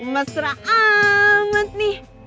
mesra amat nih